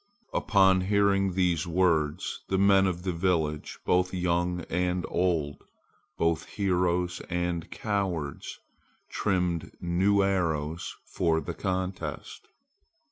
Upon hearing these words, the men of the village, both young and old, both heroes and cowards, trimmed new arrows for the contest.